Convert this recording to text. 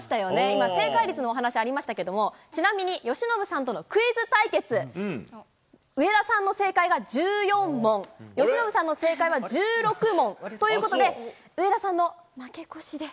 今、正解率のお話ありましたけど、ちなみに由伸さんとのクイズ対決、上田さんの正解が１４問、由伸さんの正解は１６問ということで、上田さんの負け越しで。